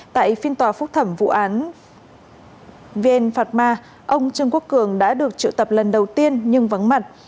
tại phiên tòa phúc thẩm vụ án vn phạt ma ông trương quốc cường đã được triệu tập lần đầu tiên nhưng vắng mặt